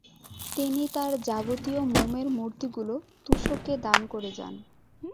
তিনি তার যাবতীয় মোমের মূর্তিগুলো তুসোকে দান করে যান।